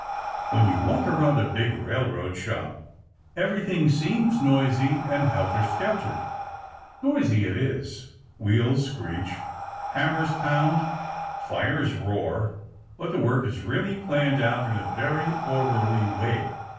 When you walk around a big railroad shop, everything seems noisy and helter skelter. Noisy it is. Wheels screech, hammers pound, fires roar. But the work is really planned out in a very orderly way.